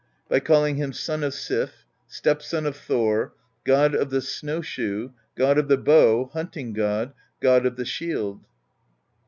By calling him Son of Sif, Stepson of Thor, God of the Snowshoe, God of the Bow, Hunting God, God of the Shield.